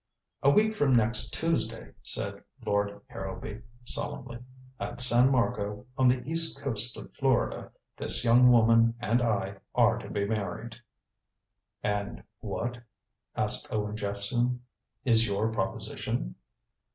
"A week from next Tuesday," said Lord Harrowby solemnly, "at San Marco, on the east coast of Florida, this young woman and I are to be married." "And what," asked Owen Jephson, "is your proposition?"